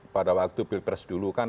pada waktu pilpres dulu kan